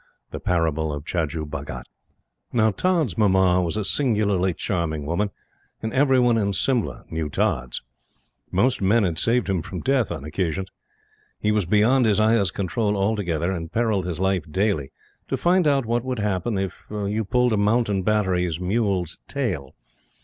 The Parable of Chajju Bhagat. Now Tods' Mamma was a singularly charming woman, and every one in Simla knew Tods. Most men had saved him from death on occasions. He was beyond his ayah's control altogether, and perilled his life daily to find out what would happen if you pulled a Mountain Battery mule's tail.